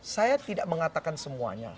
saya tidak mengatakan semuanya